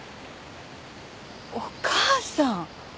お母さん。